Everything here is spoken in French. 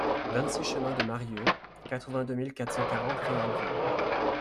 vingt-six chemin de Marieu, quatre-vingt-deux mille quatre cent quarante Réalville